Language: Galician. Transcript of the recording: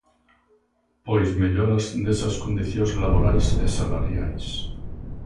Pois melloras desas condicións laborais e salariais.